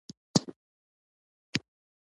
ښوروا د کور د سکون علامه ده.